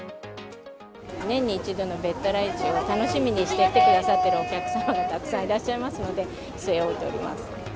年に一度のべったら市を楽しみにして来てくださってるお客様もたくさんいらっしゃいますので、据え置いております。